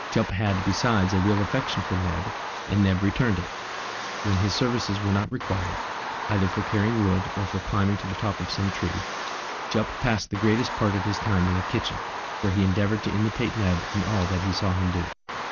Jup had besides a real affection for Neb, and Neb returned it. When his services were not required, either for carrying wood or for climbing to the top of some tree, Jup passed the greatest part of his time in the kitchen, where he endeavoured to imitate Neb in all that he saw him do.